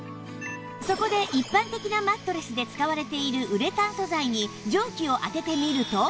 そこで一般的なマットレスで使われているウレタン素材に蒸気を当ててみると